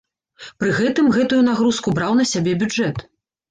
Пры гэтым гэтую нагрузку браў на сябе бюджэт.